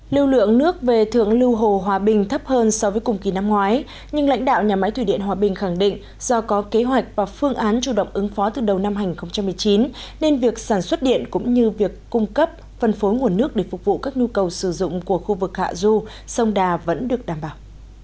lưu lượng nước về thượng lưu hồ hòa bình thấp hơn so với cùng kỳ năm ngoái nhưng lãnh đạo nhà máy thủy điện hòa bình khẳng định do có kế hoạch và phương án chủ động ứng phó từ đầu năm hai nghìn một mươi chín nên việc sản xuất điện cũng như việc cung cấp phân phối nguồn nước để phục vụ các nhu cầu sử dụng của khu vực hạ du sông đà vẫn được đảm bảo